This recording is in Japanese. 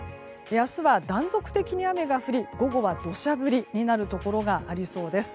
明日は断続的に雨が降り午後は土砂降りになるところがありそうです。